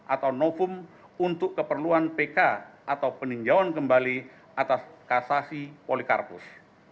atau novum untuk keperluan pk atau peninjauan kembali atas kasasi polikarpus